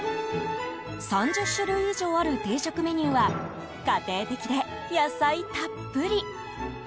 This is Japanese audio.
３０種以上ある定食メニューは家庭的で野菜たっぷり。